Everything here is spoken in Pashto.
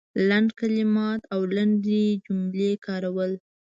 لنډ کلمات او لنډې جملې کارول